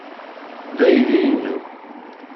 D aydi-inu.